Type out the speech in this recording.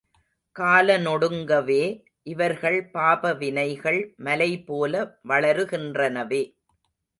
காலனொடுங்கவே இவர்கள் பாப வினைகள் மலைபோல வளருகின்றனவே.